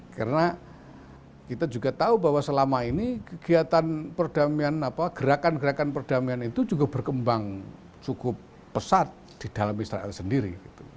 karena kita juga tahu bahwa selama ini gerakan gerakan perdamaian itu juga berkembang cukup pesat di dalam israel sendiri